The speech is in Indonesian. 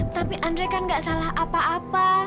tapi andre kan gak salah apa apa